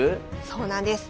そうなんです。